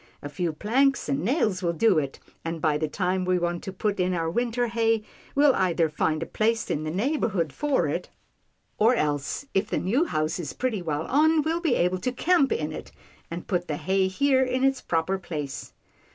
A few planks and nails will do it, and, by the time we want to put in our winter hay, we'll either find a place in the neighbourhood for it, or else if the new house is pretty well on, we'll be able to camp in it, and put the hay here in its proper place."